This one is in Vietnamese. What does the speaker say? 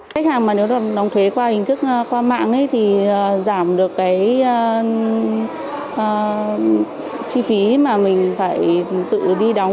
khách hàng mà nếu được đóng thuế qua hình thức qua mạng thì giảm được cái chi phí mà mình phải tự đi đóng